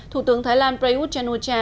thủ tướng thái lan prayuth chan o cha